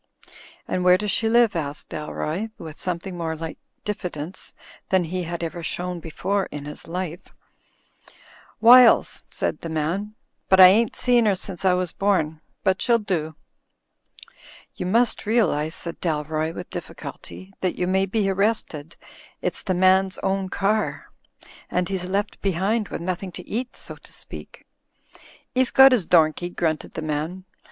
"And where does she live?" asked Dalroy, with something more like diffidence than he had ever shown before in his life. "Wiles," said the man, "but I ain't seen 'er since I was bom. But she'll do." "You must realise," said Dalroy, with difficulty, "that you may be arrested — it's the man's own car ; and he's left behind with nothing to eat, so to speak." " 'E's got 'is domkey," grunted the man.